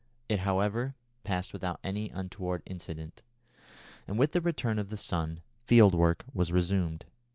It, however, passed without any untoward incident, and with the return of the sun field work was resumed.